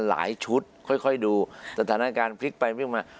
หลายชุดค่อยดูสถานการณ์ไปมา